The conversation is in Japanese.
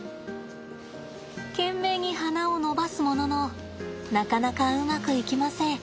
懸命に鼻を伸ばすもののなかなかうまくいきません。